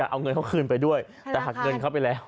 เอาเงินเขาคืนไปด้วยแต่หักเงินเขาไปแล้ว